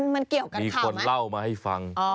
มันเกี่ยวกับมีคนเล่ามาให้ฟัง